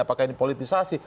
apakah ini politisasi